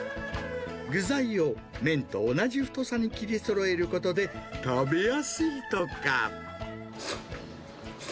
具材を麺と同じ太さに切りそろえることで、食べやすいとか。